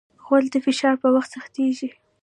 غول د فشار په وخت سختېږي.